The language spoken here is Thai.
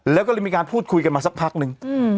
แล้วก็เลยมีการพูดคุยกันมาสักพักนึง